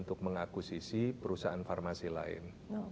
untuk mengakuisisi perusahaan farmasi lain